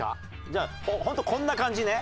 じゃあホントこんな感じね。